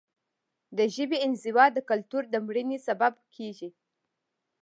د ژبې انزوا د کلتور د مړینې سبب کیږي.